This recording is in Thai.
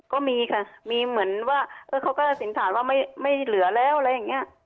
ก็มีค่ะมีเหมือนว่าเขาก็สินฐานว่าไม่เหลือแล้วอะไรอย่างนี้